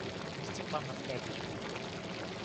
Степан Аркадьич был тронут.